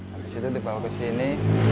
habis itu dibawa ke sini